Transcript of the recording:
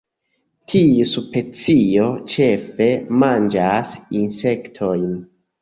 Tiu specio ĉefe manĝas insektojn.